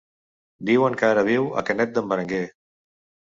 Diuen que ara viu a Canet d'en Berenguer.